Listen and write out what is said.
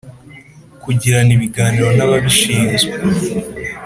Kugiranaibiganiro naba bishinzwe